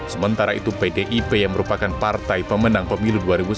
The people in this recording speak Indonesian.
sementara itu pdip yang merupakan partai pemenang pemilu dua ribu sembilan belas